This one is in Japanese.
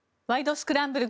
スクランブル」